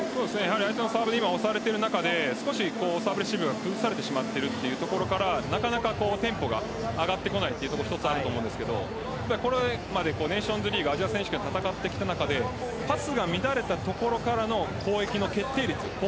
相手のサーブに押されている中でサーブレシーブが崩されてしまっているところからなかなかテンポが上がってこないというところがあると思うんですがこれまでネーションズリーグアジア選手権を戦ってきた中でパスが乱れたところからの攻撃の決定率